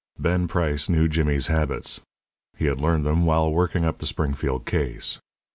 Ben Price knew Jimmy's habits. He had learned them while working up the Springfield case.